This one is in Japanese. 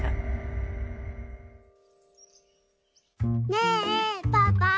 ねえパパ。